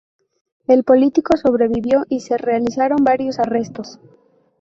El político sobrevivió y se realizaron varios arrestos.